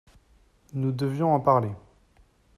Nous devions en parler.